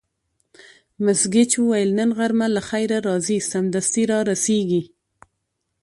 مس ګېج وویل: نن غرمه له خیره راځي، سمدستي را رسېږي.